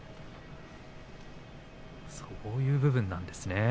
そういう部分なんですね。